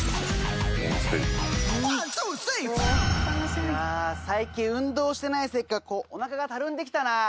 いやあ最近運動してないせいかおなかがたるんできたな